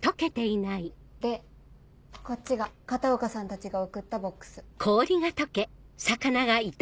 でこっちが片岡さんたちが送ったボックス。